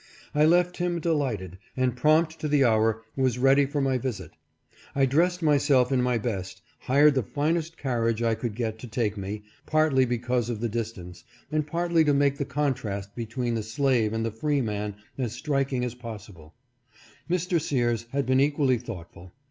I left him, delighted, and prompt to the hour was ready for my visit. I dressed myself in my best, and hired the finest carriage I could get to take me, partly because of the distance, and partly to make the contrast between the slave and the free man as strik ing as possible. Mr. Sears had been equally thoughtful.